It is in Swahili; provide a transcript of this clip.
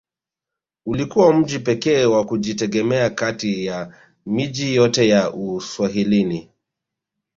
Ulikuwa mji pekee wa kujitegemea kati ya miji yote ya Uswahilini